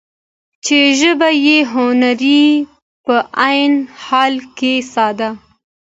چې ژبه يې هنري په عين حال کې ساده ،